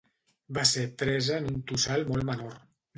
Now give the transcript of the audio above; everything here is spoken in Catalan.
Va ser presa en un tossal molt menor.